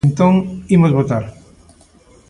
Entón imos votar.